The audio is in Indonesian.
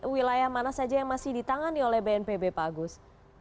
wilayah mana saja yang masih ditangani oleh bnpb pak agus